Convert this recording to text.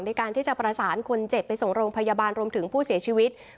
ในการที่จะประสานคนเจ็บไปส่งโรงพยาบาลรวมถึงผู้เสียชีวิต